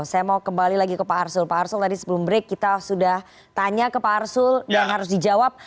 saya mau kembali lagi ke pak arsul pak arsul tadi sebelum break kita sudah tanya ke pak arsul dan harus dijawab